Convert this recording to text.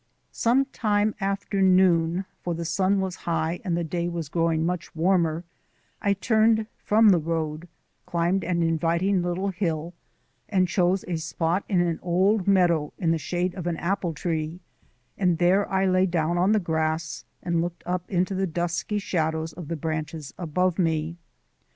Some time after noon for the sun was high and the day was growing much warmer I turned from the road, climbed an inviting little hill, and chose a spot in an old meadow in the shade of an apple tree and there I lay down on the grass, and looked up into the dusky shadows of the branches above me.